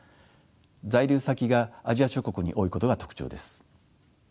在留先がアジア諸国に多いことが特徴です。